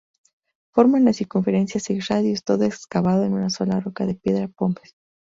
Forman la circunferencia seis radios, todo excavado en una sola roca de piedra pómez.